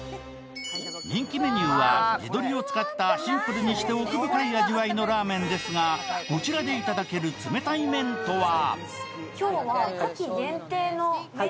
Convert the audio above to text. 人気メニューは地鶏を使ったシンプルにして奥深い味わいのラーメンですがこちらでいただける冷たい麺とは？